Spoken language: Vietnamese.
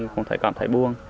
cũng thấy cảm thấy buồn